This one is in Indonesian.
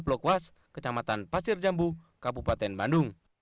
blokwas kecamatan pasir jambu kabupaten bandung